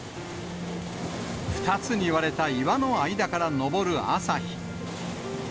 ２つに割れた岩の間から昇る朝日。